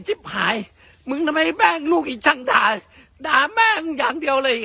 หายมึงทำไมแม่งลูกอีกช่างด่าด่าแม่มึงอย่างเดียวเลย